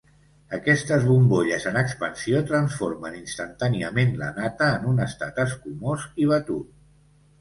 Aquestes bombolles en expansió transformen instantàniament la nata en un estat escumós i batut.